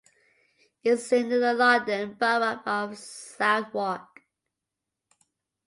It is in the London Borough of Southwark.